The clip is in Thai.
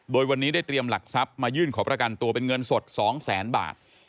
โดยวันนี้ได้เตรียมหลักทรัพย์มายื่นขอประกันตัวเป็นเงินสด๒แสนบาท